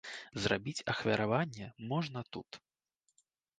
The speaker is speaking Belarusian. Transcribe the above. Зрабіць ахвяраванне можна тут.